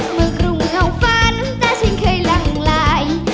เหมือนกรุงเฮาะฟ้าน้ำตาฉันเคยหลั่งไหล